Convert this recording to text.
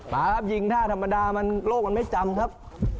มาครับยิงท่าธรรมดามันโลกมันไม่จำครับ